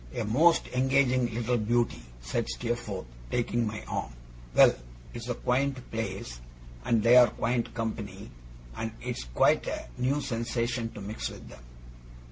'A most engaging little Beauty!' said Steerforth, taking my arm. 'Well! It's a quaint place, and they are quaint company, and it's quite a new sensation to mix with them.